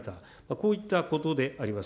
こういったことであります。